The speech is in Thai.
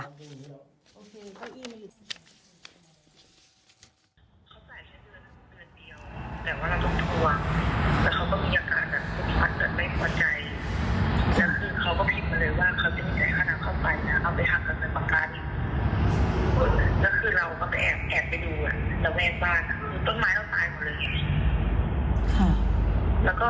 ก็มันก็ไปให้เป็นภาพิกันค่ะ